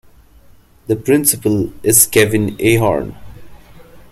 The principal is Kevin Ahern.